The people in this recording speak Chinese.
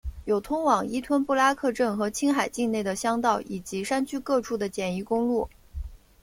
有通往依吞布拉克镇和青海境内的乡道以及山区各处的简易公路。